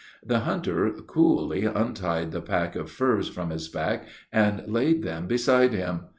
The hunter coolly untied the pack of furs from his back, and laid them beside him.